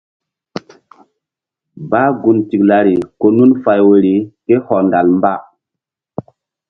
Bah gun tiklari ko nun fay woyri ké hɔndal mba.